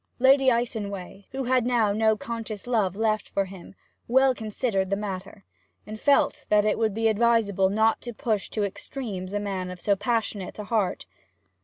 Lady Icenway, who had now no conscious love left for him, well considered the matter, and felt that it would be advisable not to push to extremes a man of so passionate a heart.